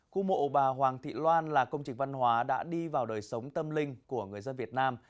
khu mộ bà hoàng thị loan là công trình văn hóa đã đi vào đời sống tâm linh của người dân việt nam